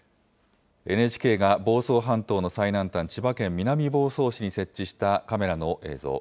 ＮＨＫが房総半島の最南端、千葉県南房総市に設置したカメラの映像。